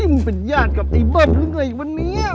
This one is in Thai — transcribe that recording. ที่มึงเป็นญาติกับไอ้เบิร์ดเรื่องไรอีกวันนี้